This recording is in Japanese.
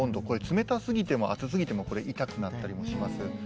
これ冷たすぎても熱すぎてもこれ痛くなったりもします。